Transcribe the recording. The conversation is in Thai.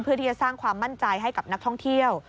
เพื่อที่จะสร้างความมั่นใจให้กับนักท่องเที่ยว